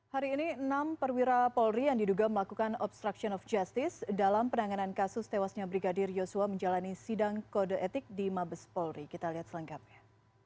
hari ini enam perwira polri yang diduga melakukan obstruction of justice dalam penanganan kasus tewasnya brigadir yosua menjalani sidang kode etik di mabes polri kita lihat selengkapnya